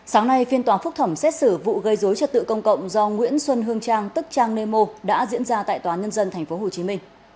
sáng nay phiên tòa phúc thẩm xét xử vụ gây dối trật tự công cộng do nguyễn xuân hương trang tức trang nemo đã diễn ra tại tòa nhân dân tp hcm